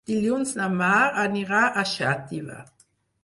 Dilluns na Mar anirà a Xàtiva.